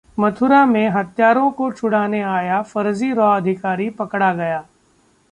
मथुरा में हत्यारों को छुड़ाने आया फर्जी रॉ अधिकारी पकड़ा गया